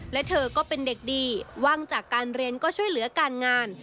และเธอก็เป็นเด็กดีว่างจากการเรียนก็ช่วยเหลือการงาน